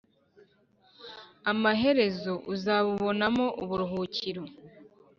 amaherezo uzabubonamo uburuhukiro,